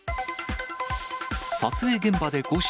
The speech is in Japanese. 撮影現場で誤射。